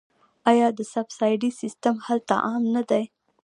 آیا د سبسایډي سیستم هلته عام نه دی؟